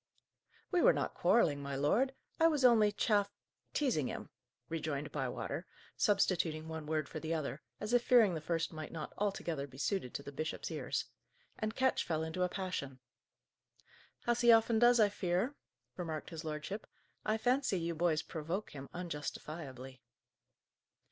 "We were not quarrelling, my lord. I was only chaff teasing him," rejoined Bywater, substituting one word for the other, as if fearing the first might not altogether be suited to the bishop's ears; "and Ketch fell into a passion." "As he often does, I fear," remarked his lordship. "I fancy you boys provoke him unjustifiably."